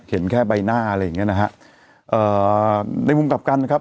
เห็นแค่ใบหน้าอะไรอย่างเงี้นะฮะเอ่อในมุมกลับกันนะครับ